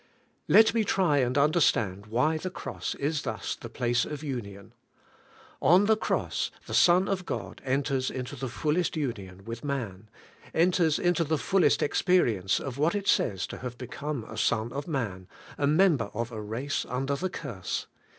Let me try and understand why the Cross is thus the place of union. O71 the Cross the Son of God enters into the fullest union with man — enters into the fullest experience of what it says to have become a son of man, a member of a race under the curse.